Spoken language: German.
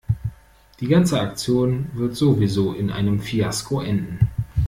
Die ganze Aktion wird sowieso in einem Fiasko enden.